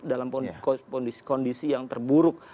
dalam kondisi yang terburuk